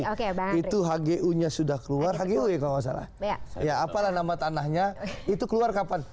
oke itu hgunya sudah keluar hgu ya kalau nggak salah ya apalah nama tanahnya itu keluar kapan